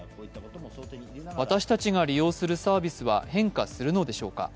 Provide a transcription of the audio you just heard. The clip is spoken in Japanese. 私たちが利用するサービスは変化するのでしょうか。